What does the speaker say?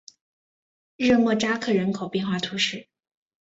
热莫扎克人口变化图示